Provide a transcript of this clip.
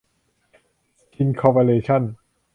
ชิน คอร์ปอเรชั่น